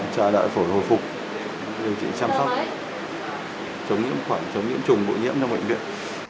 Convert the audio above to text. chạy lại phổ hồi phục điều trị chăm sóc chống những khoảng chống những trùng bộ nhiễm trong bệnh viện